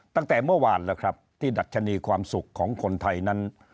ตั้งแต่เมื่อวานแล้วครับที่ดัชนีความสุขของคนไทยนั้น